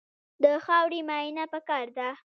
د خاورې معاینه پکار ده.